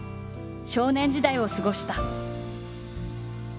少年時代を過ごした。